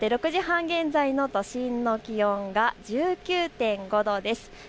６時半現在の都心の気温が１９．５度です。